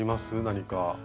何か。